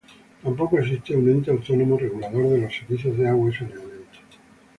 Tampoco existe un ente autónomo regulador de los servicios de agua y saneamiento.